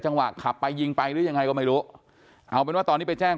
ขับไปยิงไปหรือยังไงก็ไม่รู้เอาเป็นว่าตอนนี้ไปแจ้ง